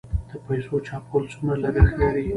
د پیسو چاپول څومره لګښت لري؟